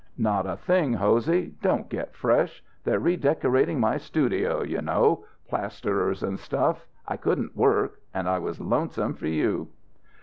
"Not a thing, Hosey. Don't get fresh. They're redecorating my studio you know plasterers and stuff. I couldn't work. And I was lonesome for you."